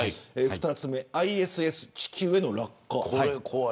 ２つ目、ＩＳＳ地球への落下。